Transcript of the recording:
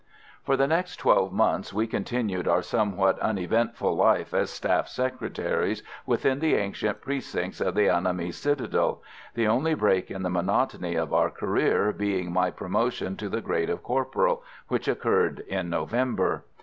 For the next twelve months we continued our somewhat uneventful life as staff secretaries within the ancient precincts of the Annamese citadel, the only break in the monotony of our career being my promotion to the grade of corporal, which occurred in November.